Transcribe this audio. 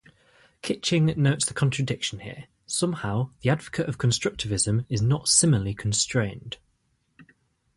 Kitching notes the contradiction here: somehow the advocate of constructivism is not similarly constrained.